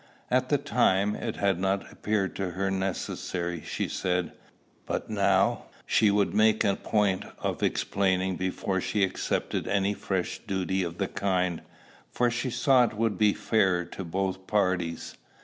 At the time, it had not appeared to her necessary, she said; but now she would make a point of explaining before she accepted any fresh duty of the kind, for she saw it would be fairer to both parties.